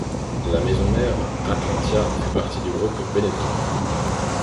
La maison mère, Atlantia fait partie du groupe Benetton.